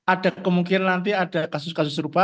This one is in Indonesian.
ada kemungkinan nanti ada kasus kasus serupa